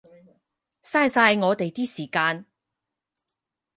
嘥晒我哋啲時間